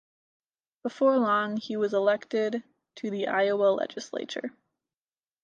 Before long, he was elected to the Iowa Legislature.